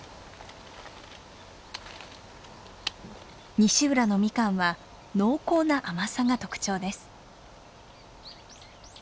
西浦のミカンは濃厚な甘さが特徴です。